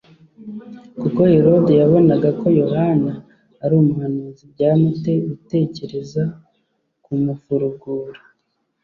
Kuko Herode yabonaga ko Yohana ari umuhanuzi, byamute gutekereza kumufurugura.